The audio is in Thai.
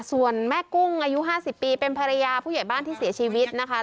ส่วนแม่กุ้งอายุ๕๐ปีเป็นภรรยาผู้ใหญ่บ้านที่เสียชีวิตนะคะ